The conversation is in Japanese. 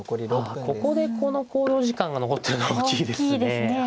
あここでこの考慮時間が残ってるのは大きいですね。